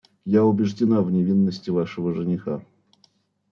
Я убеждена в невинности вашего жениха.